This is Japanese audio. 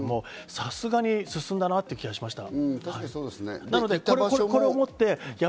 さすがに進んだなという気がしました。